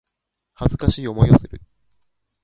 恥ずかしい思いをする